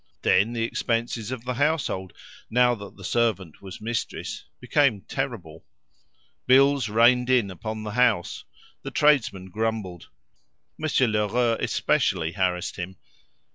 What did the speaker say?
Then the expenses of the household, now that the servant was mistress, became terrible. Bills rained in upon the house; the tradesmen grumbled; Monsieur Lheureux especially harassed him.